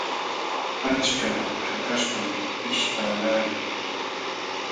Achka hakaśhtam pishtaqlaalin.